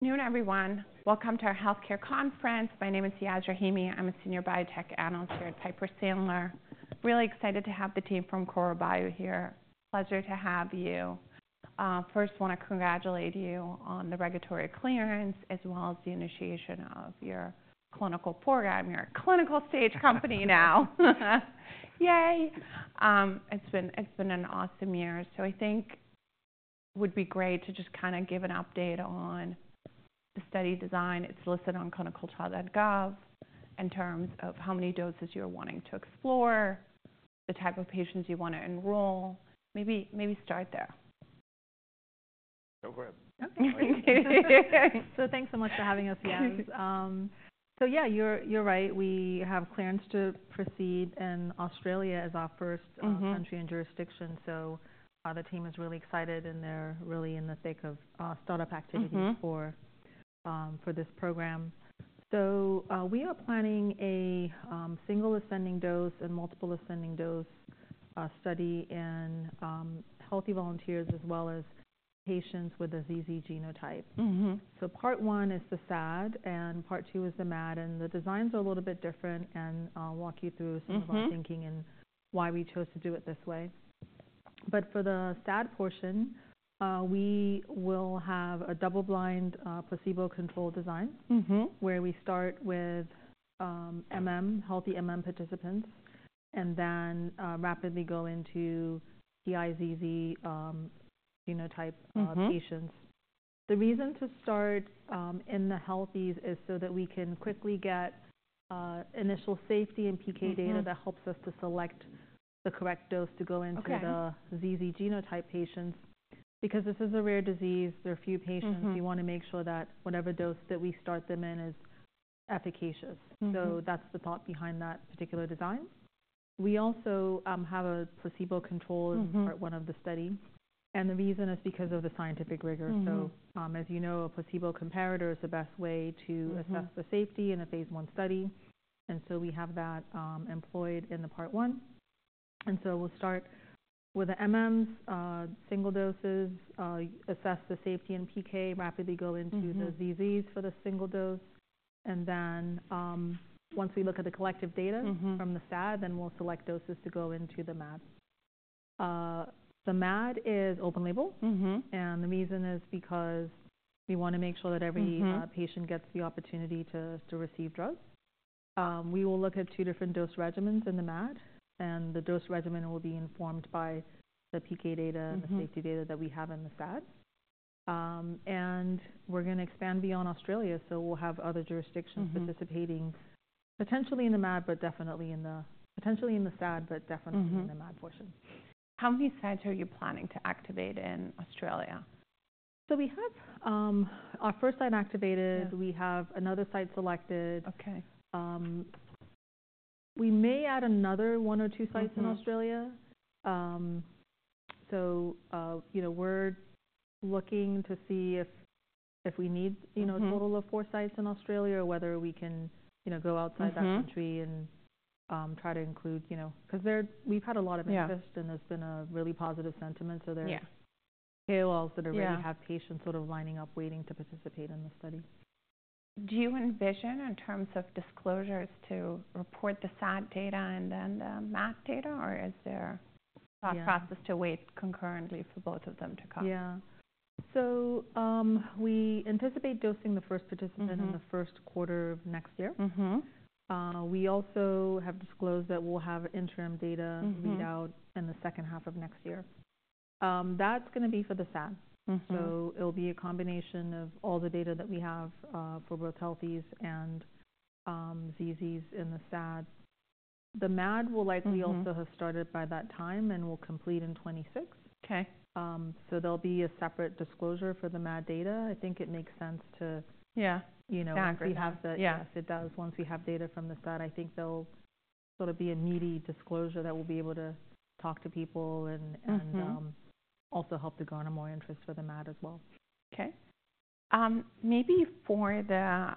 Noon, everyone. Welcome to our healthcare conference. My name is Yaz Rahimi. I'm a senior biotech analyst here at Piper Sandler. Really excited to have the team from Korro Bio here. Pleasure to have you. First, I want to congratulate you on the regulatory clearance, as well as the initiation of your clinical program. You're a clinical stage company now. Yay. It's been an awesome year. So I think it would be great to just kind of give an update on the study design. It's listed on ClinicalTrials.gov in terms of how many doses you're wanting to explore, the type of patients you want to enroll. Maybe start there. Go for it. Okay. Thank you. So thanks so much for having us, Yaz. So yeah, you're right. We have clearance to proceed. And Australia is our first country and jurisdiction. So the team is really excited, and they're really in the thick of start-up activity for this program. So we are planning a single ascending dose and multiple ascending dose study in healthy volunteers, as well as patients with a ZZ genotype. So part one is the SAD, and part two is the MAD. And the designs are a little bit different, and I'll walk you through some of our thinking and why we chose to do it this way. But for the SAD portion, we will have a double-blind placebo-controlled design, where we start with healthy participants and then rapidly go into the ZZ genotype patients. The reason to start in the healthies is so that we can quickly get initial safety and PK data that helps us to select the correct dose to go into the ZZ genotype patients. Because this is a rare disease, there are few patients. We want to make sure that whatever dose that we start them in is efficacious, so that's the thought behind that particular design. We also have a placebo-controlled part, one of the studies, and the reason is because of the scientific rigor, so as you know, a placebo comparator is the best way to assess the safety in a phase I study, and so we have that employed in the part one, and so we'll start with the MMs, single doses, assess the safety and PK, rapidly go into the ZZs for the single dose. And then once we look at the collective data from the SAD, then we'll select doses to go into the MAD. The MAD is open label. And the reason is because we want to make sure that every patient gets the opportunity to receive drugs. We will look at two different dose regimens in the MAD. And the dose regimen will be informed by the PK data and the safety data that we have in the SAD. And we're going to expand beyond Australia. So we'll have other jurisdictions participating potentially in the MAD, but definitely in the SAD, but definitely in the MAD portion. How many sites are you planning to activate in Australia? We have our first site activated. We have another site selected. We may add another one or two sites in Australia. We're looking to see if we need a total of four sites in Australia, or whether we can go outside that country and try to include, because we've had a lot of interest, and there's been a really positive sentiment. There are sites that already have patients sort of lining up, waiting to participate in the study. Do you envision, in terms of disclosures, to report the SAD data and then the MAD data? Or is there a process to wait concurrently for both of them to come? Yeah. So we anticipate dosing the first participant in the first quarter of next year. We also have disclosed that we'll have interim data readout in the second half of next year. That's going to be for the SAD. So it'll be a combination of all the data that we have for both healthies and ZZs in the SAD. The MAD will likely also have started by that time and will complete in 2026. So there'll be a separate disclosure for the MAD data. I think it makes sense to, once we have data from the SAD, I think there'll sort of be a needed disclosure that we'll be able to talk to people and also help to garner more interest for the MAD as well. Okay. Maybe for the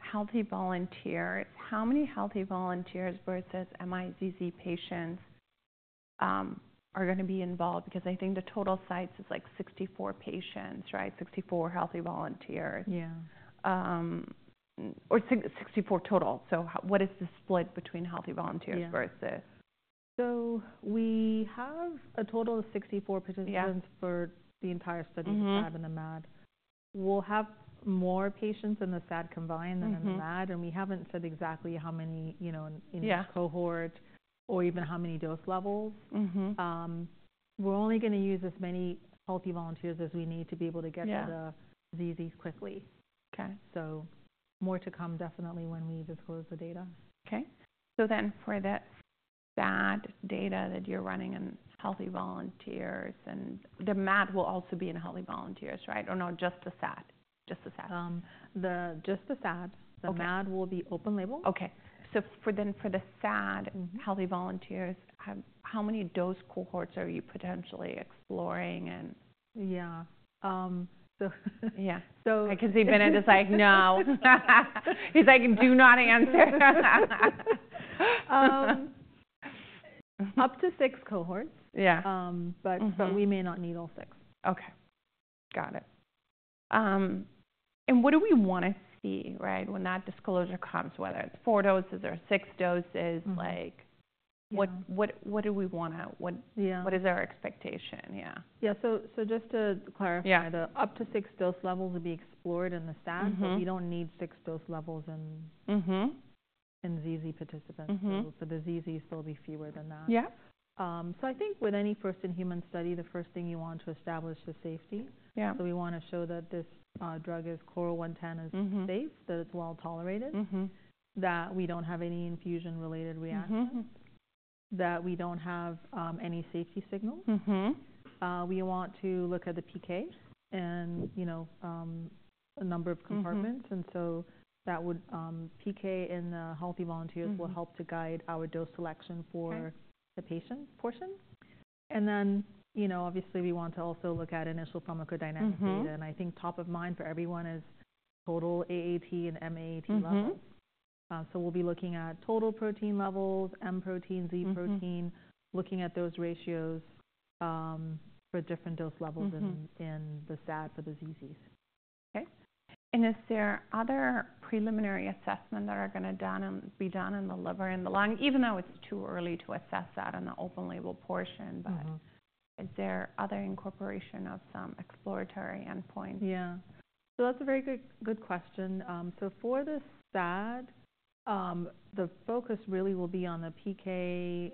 healthy volunteers, how many healthy volunteers versus ZZ patients are going to be involved? Because I think the total size is like 64 patients, right? 64 healthy volunteers, or 64 total. So what is the split between healthy volunteers versus? So we have a total of 64 participants for the entire study, the SAD and the MAD. We'll have more patients in the SAD combined than in the MAD. And we haven't said exactly how many in each cohort or even how many dose levels. We're only going to use as many healthy volunteers as we need to be able to get to the ZZs quickly. So more to come, definitely, when we disclose the data. Okay. So then for the SAD data that you're running in healthy volunteers, and the MAD will also be in healthy volunteers, right? Or no, just the SAD? Just the SAD. Just the SAD. The MAD will be open label. Okay. So then for the SAD healthy volunteers, how many dose cohorts are you potentially exploring? Yeah. Because he's like, do not answer. Up to six cohorts, but we may not need all six. Okay. Got it. And what do we want to see, right, when that disclosure comes, whether it's four doses or six doses? What do we want to, what is our expectation? Yeah. Yeah, so just to clarify, the up to six dose levels will be explored in the SAD, but we don't need six dose levels in ZZ participants, so the ZZs will be fewer than that. I think with any first-in-human study, the first thing you want to establish is safety. We want to show that this drug, KRRO-110, is safe, that it's well tolerated, that we don't have any infusion-related reactions, that we don't have any safety signals. We want to look at the PK and a number of compartments. And so the PK in the healthy volunteers will help to guide our dose selection for the patient portion. And then, obviously, we want to also look at initial pharmacodynamic data. And I think top of mind for everyone is total AAT and M-AAT levels. So we'll be looking at total protein levels, M protein, Z protein, looking at those ratios for different dose levels in the SAD for the ZZs. Okay. And is there other preliminary assessment that are going to be done in the liver, in the lung, even though it's too early to assess that in the open label portion? But is there other incorporation of some exploratory endpoint? Yeah, so that's a very good question, so for the SAD, the focus really will be on the PK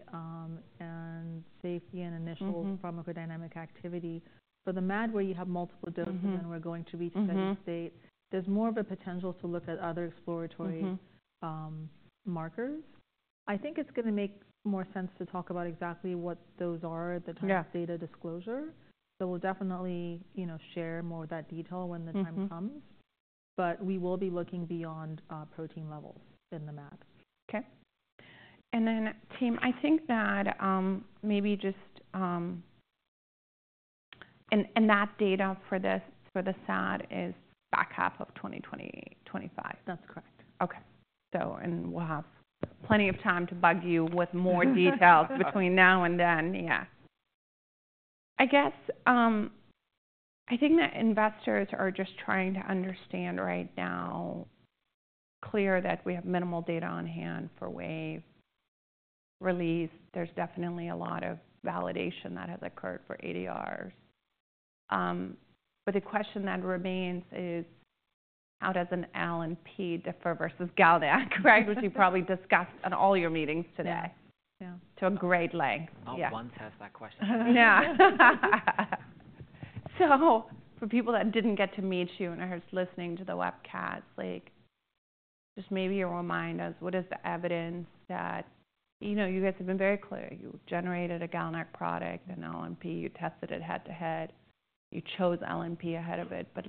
and safety and initial pharmacodynamic activity. For the MAD, where you have multiple doses and we're going to reach a steady state, there's more of a potential to look at other exploratory markers. I think it's going to make more sense to talk about exactly what those are at the time of data disclosure, so we'll definitely share more of that detail when the time comes. But we will be looking beyond protein levels in the MAD. Okay. And then, team, I think that maybe just and that data for the SAD is back half of 2025. That's correct. Okay. We'll have plenty of time to bug you with more details between now and then. Yeah. I guess I think that investors are just trying to understand right now. Clear that we have minimal data on hand for Wave release. There's definitely a lot of validation that has occurred for ADRs. But the question that remains is, how does an LNP differ versus GalNAc, right, which you probably discussed in all your meetings today to a great length? I'll one-to-one test that question. Yeah. So for people that didn't get to meet you and are just listening to the webcast, just maybe you'll remind us what is the evidence that you guys have been very clear. You generated a GalNAc product, an LNP. You tested it head to head. You chose LNP ahead of it. But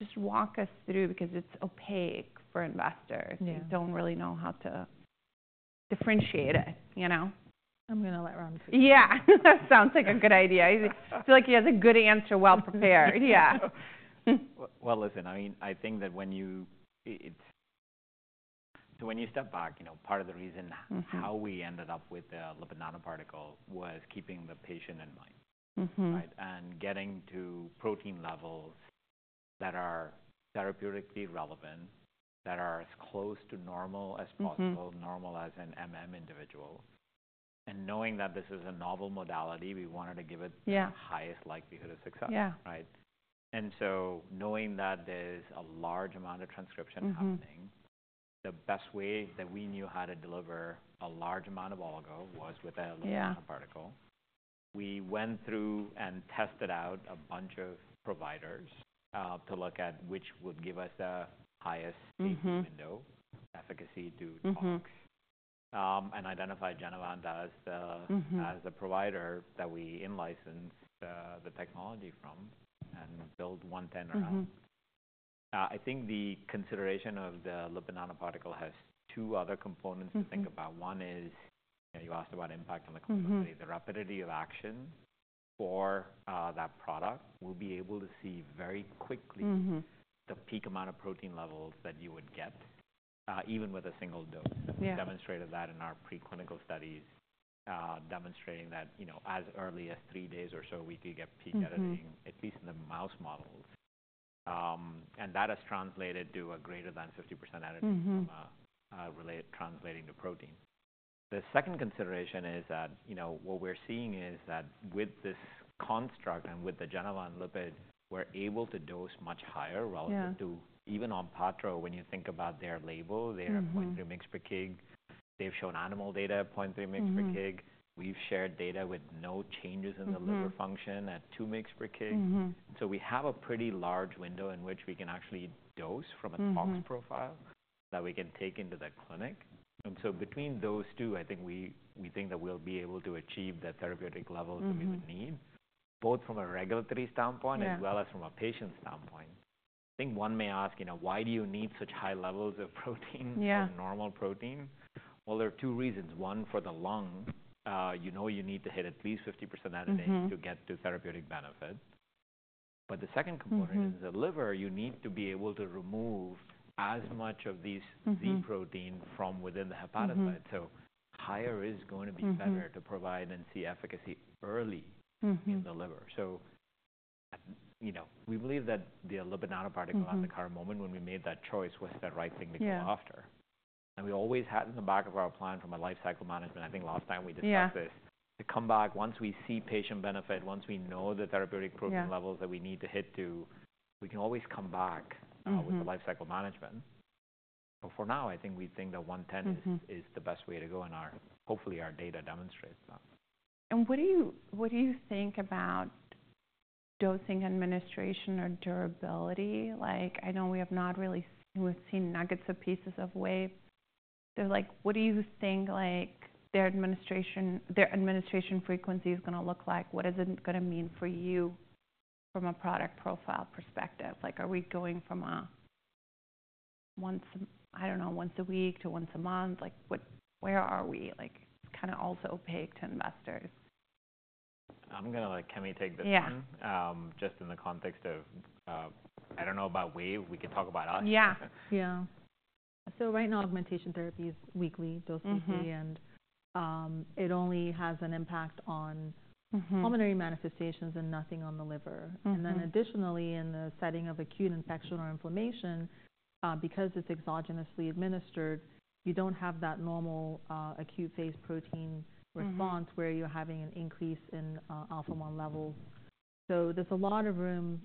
just walk us through, because it's opaque for investors. You don't really know how to differentiate it. I'm going to let Ram speak. Yeah. That sounds like a good idea. I feel like he has a good answer well prepared. Yeah. Listen, I mean, I think that when you so when you step back, part of the reason how we ended up with the lipid nanoparticle was keeping the patient in mind, right, and getting to protein levels that are therapeutically relevant, that are as close to normal as possible, normal as an individual. And knowing that this is a novel modality, we wanted to give it the highest likelihood of success, right? And so knowing that there's a large amount of transcription happening, the best way that we knew how to deliver a large amount of oligo was with a lipid nanoparticle. We went through and tested out a bunch of providers to look at which would give us the highest safety window, efficacy to tox, and identified Genevant as the provider that we in-licensed the technology from and built KRRO-110 around. I think the consideration of the lipid nanoparticle has two other components to think about. One is you asked about impact on the complexity, the rapidity of action for that product. We'll be able to see very quickly the peak amount of protein levels that you would get, even with a single dose. And we demonstrated that in our preclinical studies, demonstrating that as early as three days or so, we could get peak editing, at least in the mouse models. And that has translated to a greater than 50% editing, AAT-related, translating to protein. The second consideration is that what we're seeing is that with this construct and with the Genevant lipid, we're able to dose much higher relative to even Onpattro, when you think about their label, their 0.3 mg per kg. They've shown animal data at 0.3 mg per kg. We've shared data with no changes in the liver function at 2 mg per kg. So we have a pretty large window in which we can actually dose from a tox profile that we can take into the clinic. And so between those two, I think we think that we'll be able to achieve the therapeutic levels that we would need, both from a regulatory standpoint as well as from a patient standpoint. I think one may ask, why do you need such high levels of protein or normal protein? Well, there are two reasons. One, for the lung, you know you need to hit at least 50% editing to get to therapeutic benefit. But the second component is the liver. You need to be able to remove as much of these Z proteins from within the hepatocyte. So higher is going to be better to provide and see efficacy early in the liver. So we believe that the lipid nanoparticle at the current moment, when we made that choice, was the right thing to go after. And we always had in the back of our plan from a lifecycle management, I think last time we discussed this, to come back once we see patient benefit, once we know the therapeutic protein levels that we need to hit to, we can always come back with the lifecycle management. But for now, I think we think that KRRO-110 is the best way to go. And hopefully, our data demonstrates that. What do you think about dosing administration or durability? I know we have not really seen nuggets or pieces of Wave. So what do you think their administration frequency is going to look like? What is it going to mean for you from a product profile perspective? Are we going from a, I don't know, once a week to once a month? Where are we? It's kind of also opaque to investors. I'm going to let Kemi take this one just in the context of I don't know about Wave. We could talk about us. Yeah. Yeah. Right now, augmentation therapy is weekly, dosed weekly. It only has an impact on pulmonary manifestations and nothing on the liver. Additionally, in the setting of acute infection or inflammation, because it's exogenously administered, you don't have that normal acute phase protein response where you're having an increase in alpha-1 levels. There's a lot of room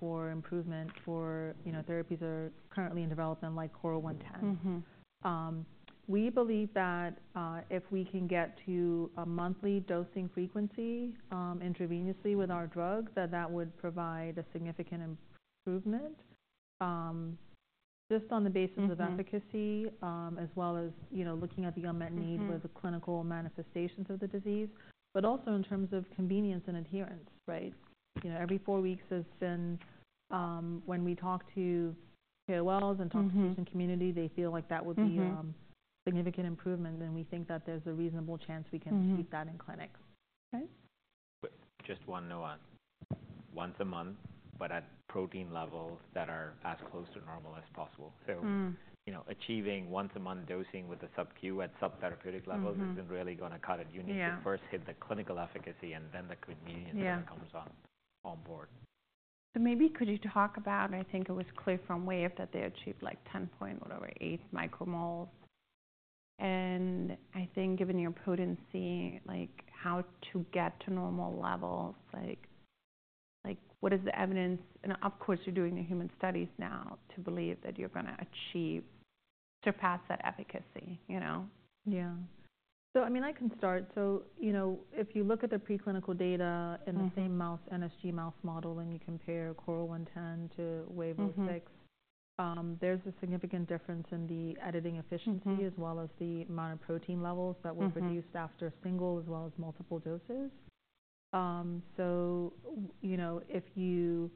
for improvement for therapies that are currently in development, like KRRO-110. We believe that if we can get to a monthly dosing frequency intravenously with our drug, that that would provide a significant improvement just on the basis of efficacy, as well as looking at the unmet need with the clinical manifestations of the disease, but also in terms of convenience and adherence, right? Every four weeks has been when we talk to KOLs and talk to patient community. They feel like that would be a significant improvement. We think that there's a reasonable chance we can keep that in clinics. But just one note. Once a month, but at protein levels that are as close to normal as possible. So achieving once-a-month dosing with a subQ at subtherapeutic levels isn't really going to cut it. You need to first hit the clinical efficacy, and then the convenience comes on board. So maybe could you talk about, I think it was clear from Wave that they achieved like 10.8 µmol. And I think given your potency, how to get to normal levels, what is the evidence? And of course, you're doing the human studies now to believe that you're going to surpass that efficacy. Yeah. So I mean, I can start. So if you look at the preclinical data in the same mouse, NSG mouse model, and you compare KRRO-110 to WVE-006, there's a significant difference in the editing efficiency as well as the micro-protein levels that were produced after single as well as multiple doses. So if you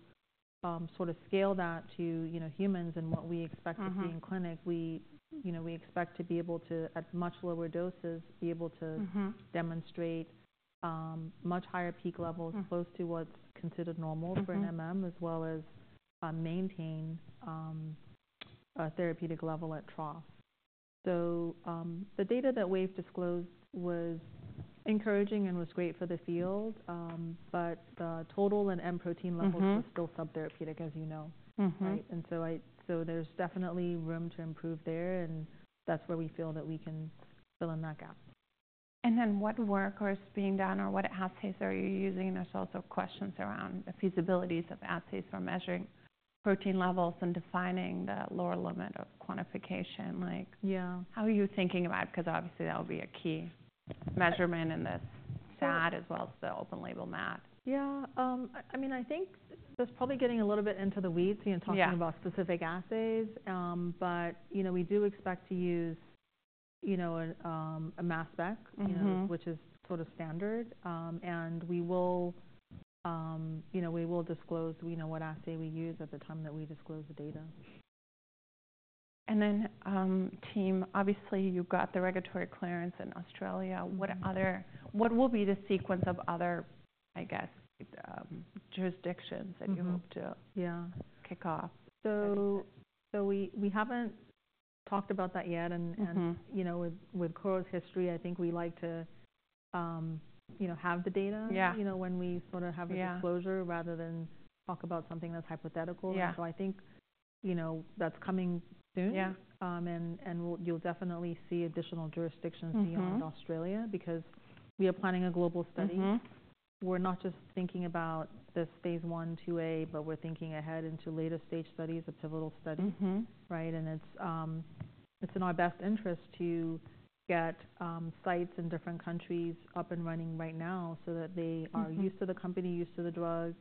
sort of scale that to humans and what we expect to see in clinic, we expect to be able to, at much lower doses, be able to demonstrate much higher peak levels close to what's considered normal for AAT, as well as maintain a therapeutic level at trough. So the data that Wave disclosed was encouraging and was great for the field. But the total and M protein levels were still subtherapeutic, as you know, right? And so there's definitely room to improve there. That's where we feel that we can fill in that gap. And then what work is being done or what assays are you using? There's also questions around the feasibility of assays for measuring protein levels and defining the lower limit of quantification. How are you thinking about it? Because obviously, that will be a key measurement in this SAD as well as the open label MAD. Yeah. I mean, I think that's probably getting a little bit into the weeds in talking about specific assays. But we do expect to use a mass spec, which is sort of standard. And we will disclose what assay we use at the time that we disclose the data. And then, team, obviously, you've got the regulatory clearance in Australia. What will be the sequence of other, I guess, jurisdictions that you hope to kick off? So we haven't talked about that yet. And with Korro's history, I think we like to have the data when we sort of have a disclosure rather than talk about something that's hypothetical. So I think that's coming soon. And you'll definitely see additional jurisdictions beyond Australia because we are planning a global study. We're not just thinking about this phase I, IIA, but we're thinking ahead into later stage studies, a pivotal study, right? And it's in our best interest to get sites in different countries up and running right now so that they are used to the company, used to the drug.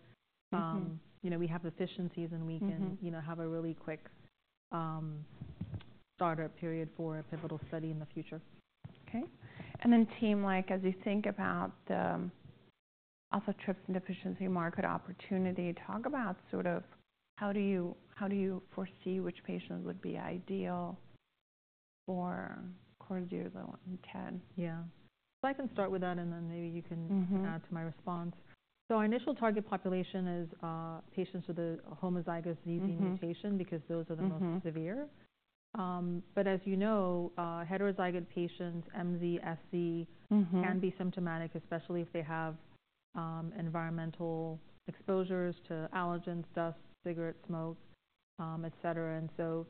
We have efficiencies, and we can have a really quick startup period for a pivotal study in the future. Okay. And then, team, as you think about the alpha-1 antitrypsin deficiency market opportunity, talk about sort of how do you foresee which patients would be ideal for KRRO-110? Yeah. So I can start with that, and then maybe you can add to my response. So our initial target population is patients with the homozygous ZZ mutation because those are the most severe. But as you know, heterozygous patients, MZ, SZ, can be symptomatic, especially if they have environmental exposures to allergens, dust, cigarette smoke, etc. And so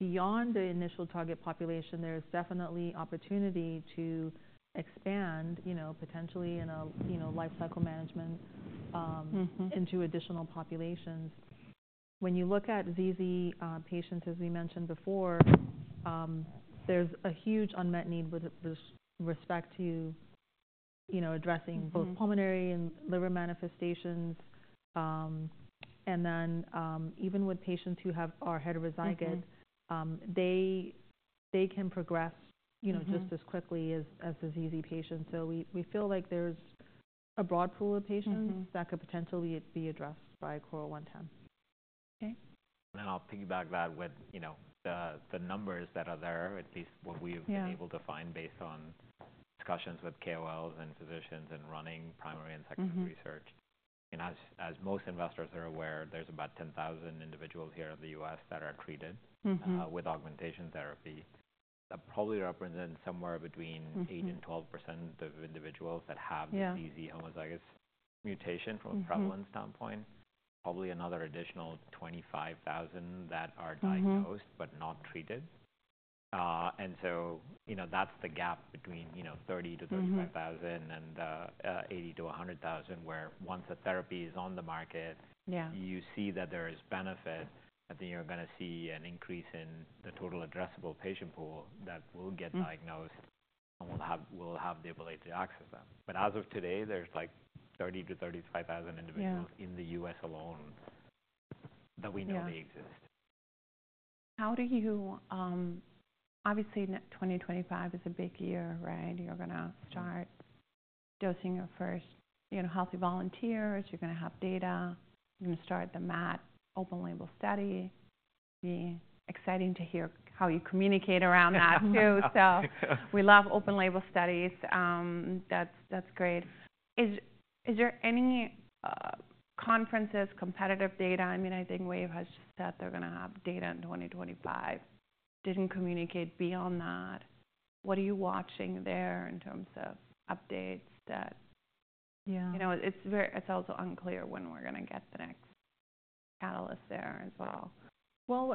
beyond the initial target population, there is definitely opportunity to expand potentially in a lifecycle management into additional populations. When you look at ZZ patients, as we mentioned before, there's a huge unmet need with respect to addressing both pulmonary and liver manifestations. And then even with patients who are heterozygous, they can progress just as quickly as the ZZ patients. So we feel like there's a broad pool of patients that could potentially be addressed by KRRO-110. I'll piggyback that with the numbers that are there, at least what we've been able to find based on discussions with KOLs and physicians and running primary and secondary research. And as most investors are aware, there's about 10,000 individuals here in the U.S. that are treated with augmentation therapy. That probably represents somewhere between 8% and 12% of individuals that have the ZZ homozygous mutation from a prevalence standpoint. Probably another additional 25,000 that are diagnosed but not treated. And so that's the gap between 30,000-35,000 and 80,000-100,000, where once the therapy is on the market, you see that there is benefit, that you're going to see an increase in the total addressable patient pool that will get diagnosed and will have the ability to access them. But as of today, there's like 30,000-35,000 individuals in the U.S. alone that we know exist. How do you obviously, 2025 is a big year, right? You're going to start dosing your first healthy volunteers. You're going to have data. You're going to start the MAD open label study. It'll be exciting to hear how you communicate around that, too. So we love open label studies. That's great. Is there any conferences, competitive data? I mean, I think Wave has just said they're going to have data in 2025. Didn't communicate beyond that. What are you watching there in terms of updates that it's also unclear when we're going to get the next catalyst there as well.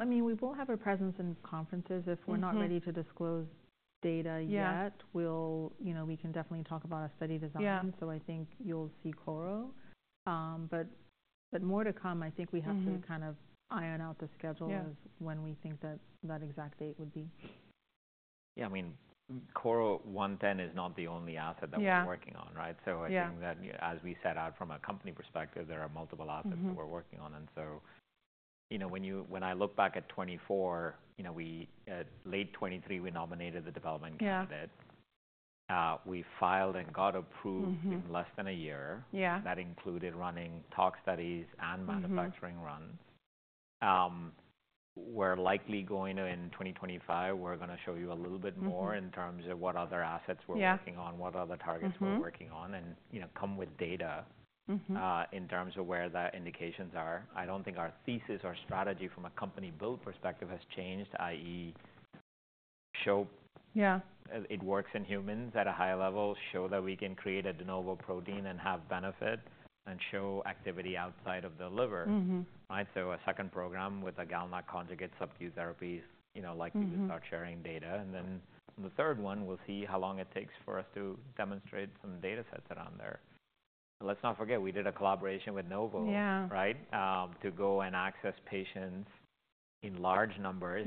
I mean, we will have a presence in conferences. If we're not ready to disclose data yet, we can definitely talk about a study design. So I think you'll see Korro. But more to come. I think we have to kind of iron out the schedule as when we think that that exact date would be. Yeah. I mean, KRRO-110 is not the only asset that we're working on, right? So I think that as we set out from a company perspective, there are multiple assets that we're working on. And so when I look back at 2024, late 2023, we nominated the development candidate. We filed and got approved in less than a year. That included running tox studies and manufacturing runs. We're likely going in 2025, we're going to show you a little bit more in terms of what other assets we're working on, what other targets we're working on, and come with data in terms of where the indications are. I don't think our thesis or strategy from a company build perspective has changed, i.e., show it works in humans at a high level, show that we can create a de novo protein and have benefit, and show activity outside of the liver, right? A second program with a GalNAc conjugate subQ therapy is likely to start sharing data. Then the third one, we'll see how long it takes for us to demonstrate some data sets around there. Let's not forget, we did a collaboration with Novo, right, to go and access patients in large numbers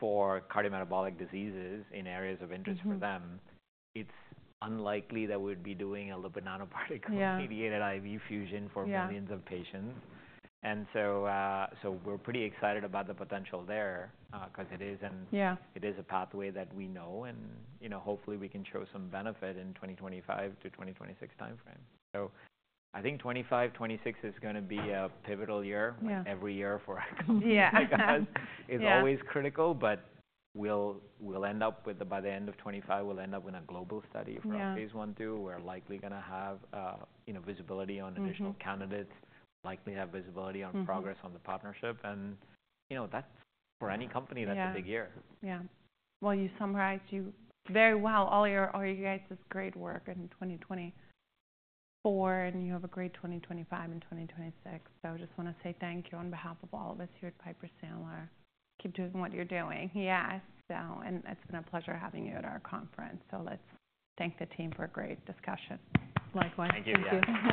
for cardiometabolic diseases in areas of interest for them. It's unlikely that we'd be doing a lipid nanoparticle-mediated IV infusion for millions of patients. We're pretty excited about the potential there because it is a pathway that we know. Hopefully, we can show some benefit in the 2025 to 2026 time frame. I think 2025, 2026 is going to be a pivotal year. Every year for our company is always critical. By the end of 2025, we'll end up with a global study from phase 1, 2. We're likely going to have visibility on additional candidates, likely to have visibility on progress on the partnership. For any company, that's a big year. Yeah. Well, you summarized very well. All you guys did great work in 2024, and you have a great 2025 and 2026. So I just want to say thank you on behalf of all of us here at Piper Sandler. Keep doing what you're doing. Yes. And it's been a pleasure having you at our conference. So let's thank the team for a great discussion. Likewise. Thank you.